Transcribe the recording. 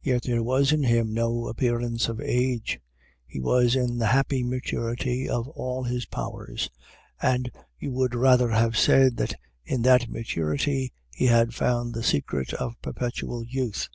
Yet there was in him no appearance of age; he was in the happy maturity of all his powers, and you would rather have said that in that maturity he had found the secret of perpetual youth.